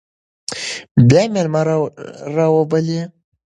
بیا میلمه راوبلئ.